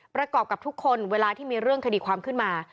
กับทุกคนเวลาที่มีเรื่องคดีความขึ้นมา